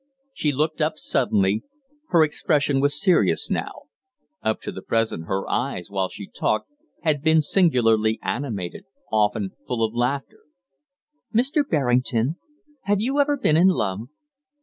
She looked up suddenly. Her expression was serious now. Up to the present her eyes, while she talked, had been singularly animated, often full of laughter. "Mr. Berrington, have you ever been in love?"